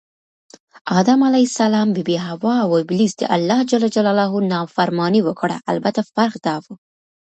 آدم ع، بي بي حوا اوابلیس دالله ج نافرماني وکړه البته فرق دا و